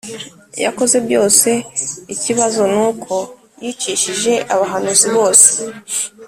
yakoze byose ikibazo n uko yicishije abahanuzi bose